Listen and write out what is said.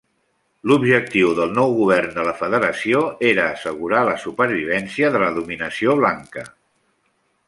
L'objectiu del nou govern de la Federació era assegurar la supervivència de la dominació blanca.